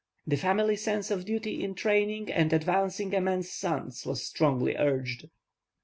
The family sense of duty in training and advancing a man's sons was strongly urged.